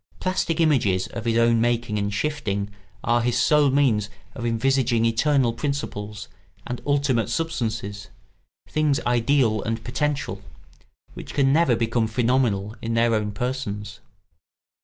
Plastic images of his own making and shifting are his sole means of envisaging eternal principles and ultimate substances, things ideal and potential, which can never become phenomenal in their own persons.